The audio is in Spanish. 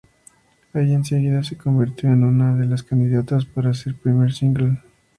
Allí enseguida se convirtió en una de las candidatas para ser primer single.